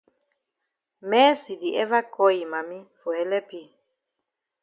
Mercy di ever call yi mami for helep yi.